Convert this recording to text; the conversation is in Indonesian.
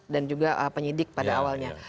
dan juga penyidik pada awalnya